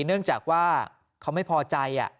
เนื่องจากว่าเขาไม่พอใจ